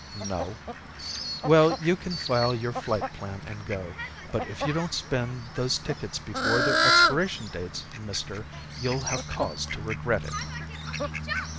"No." "Well, you can file your flight plan and go, but if you don't spend those tickets before their expiration dates, Mister, you'll have cause to regret it."